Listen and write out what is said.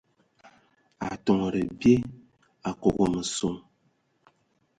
Atondo bye Akogo meson.